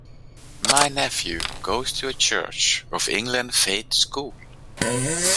My nephew goes to a Church of England faith school